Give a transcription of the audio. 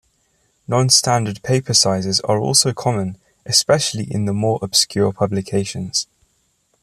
Non-standard paper sizes are also common, especially in the more obscure publications.